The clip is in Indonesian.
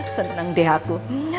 seneng deh aku